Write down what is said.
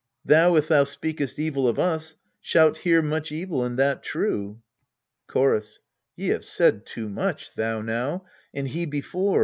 Thou, if thou speakest evil Of us, shalt hear much evil, and that true. Chorus. Ye have said too much, thou now, and he before.